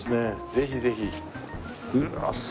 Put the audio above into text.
ぜひぜひ。